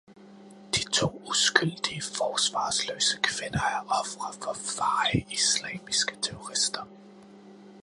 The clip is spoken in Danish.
De to uskyldige, forsvarsløse kvinder er ofre for feje, islamistiske terrorister.